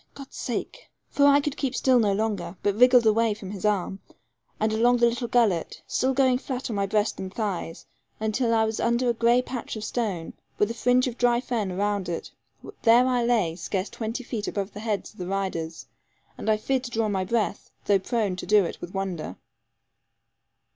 God's sake ' For I could keep still no longer, but wriggled away from his arm, and along the little gullet, still going flat on my breast and thighs, until I was under a grey patch of stone, with a fringe of dry fern round it; there I lay, scarce twenty feet above the heads of the riders, and I feared to draw my breath, though prone to do it with wonder.